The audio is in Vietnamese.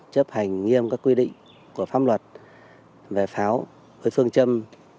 chấp hành nghiêm các quy định của pháp luật về pháo với phương châm